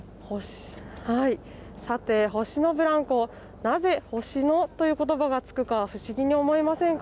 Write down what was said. さて、星のブランコなぜ、星のということばがつくか不思議に思いませんか。